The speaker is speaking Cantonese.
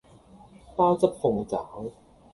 鮑汁鳳爪